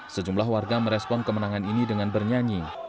sejumlah warga merespon kemenangan ini dengan bernyanyi